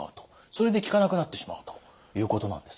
それで効かなくなってしまうということなんですね。